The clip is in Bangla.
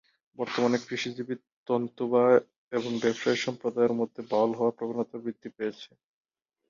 বর্তমানে কৃষিজীবী, তন্তুবায় এবং ব্যবসায়ী সম্প্রদায়ের মধ্যে বাউল হওয়ার প্রবণতা বৃদ্ধি পেয়েছে।